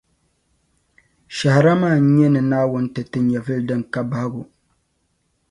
Shɛhira maa n-nyɛ ni Naawuni ti ti nyɛvili din ka bahigu.